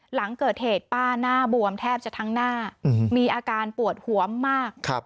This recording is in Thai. หลังเกิดเหตุป้าหน้าบวมแทบจะทั้งหน้ามีอาการปวดหัวมาก